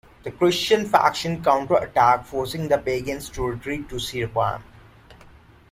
The Christian faction counter-attacked, forcing the pagans to retreat to the Serapeum.